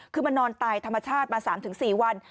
คือมันนอนตายธรรมชาติมา๓๔วัน